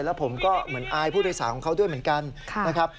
แล้วผมก็เหมือนอายผู้โดยสารของเขาด้วยเหมือนกันนะครับ